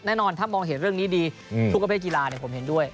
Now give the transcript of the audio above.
แน่นอนถ้ามองเห็นเรื่องนี้ดีทุกประเภทกีฬาผมเห็นด้วย